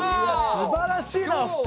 すばらしいなお二人。